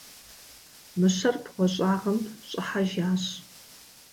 Мыщэр бгъуэщӏагъым щӏыхьэжащ.